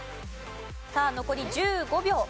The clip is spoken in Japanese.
さあ残り１５秒。